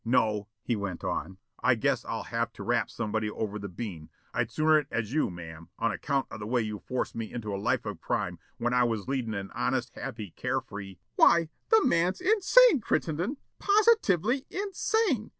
No," he went on, "I guess I'll have to rap somebody over the bean. I'd sooner it as you, ma'am, on account of the way you forced me into a life of crime when I was leadin' an honest, happy, carefree " "Why, the man's insane, Crittenden, positively insane.